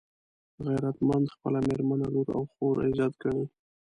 غیرتمند خپله مېرمنه، لور او خور عزت ګڼي